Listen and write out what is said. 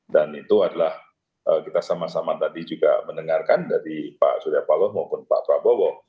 dan itu adalah kita sama sama tadi juga mendengarkan dari pak surya paloh maupun pak prabowo